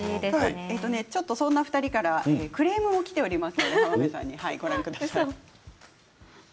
そんな２人からクレームもきております。